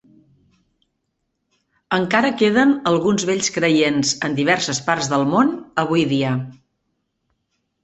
Encara queden alguns vells creients en diverses parts del món avui dia.